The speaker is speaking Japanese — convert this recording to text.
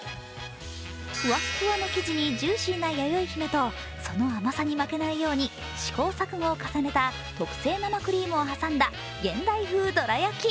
ふわっふわの生地にジューシーなやよいひめと、その甘さに負けないように試行錯誤を重ねた特製生クリームを挟んだ、現代風どらやき。